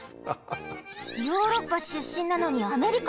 ヨーロッパしゅっしんなのにアメリカ！？